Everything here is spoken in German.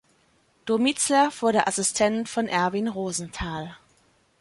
Domizlaff wurde Assistent von Erwin Rosenthal.